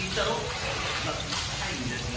「それがうまくいかないんですよ。